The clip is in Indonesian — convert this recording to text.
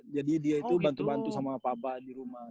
jadi dia itu bantu bantu sama papa di rumah